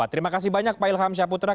terima kasih banyak pak ilham syaputra